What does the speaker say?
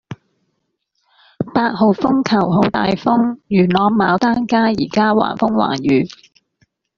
八號風球好大風，元朗牡丹街依家橫風橫雨